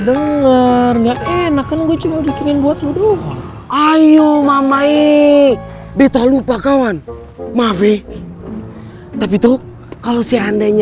denger enaknya cuma bikin buat ayo mama eh beta lupa kawan maaf tapi tuh kalau siandainya